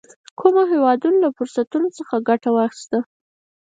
کومو هېوادونو له فرصتونو څخه ګټه واخیسته.